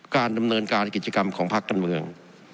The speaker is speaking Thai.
การดำเนินการกิจกรรมของพักการเมือง